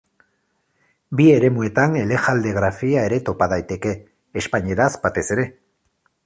Bi eremuetan Elejalde grafia ere topa daiteke, espainieraz batez ere.